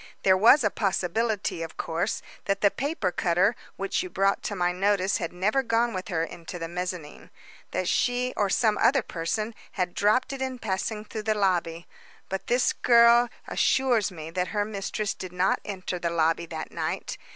There was a possibility, of course, that the paper cutter which you brought to my notice had never gone with her into the mezzanine. That she, or some other person, had dropped it in passing through the lobby. But this girl assures me that her mistress did not enter the lobby that night.